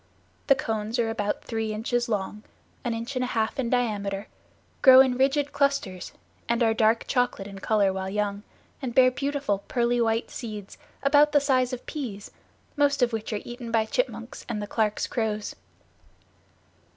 The cones are about three inches long, an inch and a half in diameter, grow in rigid clusters, and are dark chocolate in color while young, and bear beautiful pearly white seeds about the size of peas, most of which are eaten by chipmunks and the Clarke's crows.